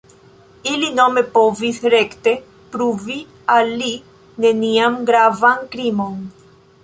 Ili nome povis rekte pruvi al li nenian gravan krimon.